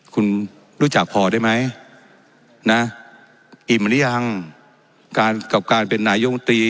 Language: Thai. คุณรู้จักพอได้ไหมนะอิ่มหรือยังการกับการเป็นนายมตรี